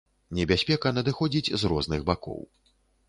Небяспека надыходзіць з розных бакоў.